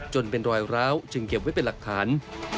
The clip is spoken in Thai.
เป็นรอยร้าวจึงเก็บไว้เป็นหลักฐาน